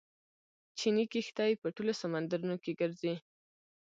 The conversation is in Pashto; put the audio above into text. چیني کښتۍ په ټولو سمندرونو کې ګرځي.